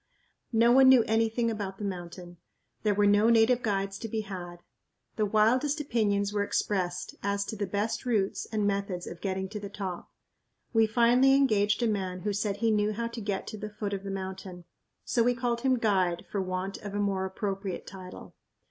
No one knew anything about the mountain. There were no native guides to be had. The wildest opinions were expressed as to the best routes and methods of getting to the top. We finally engaged a man who said he knew how to get to the foot of the mountain, so we called him "guide" for want of a more appropriate title.